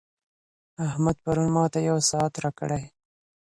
احمد پرون ماته یو ساعت راکړی.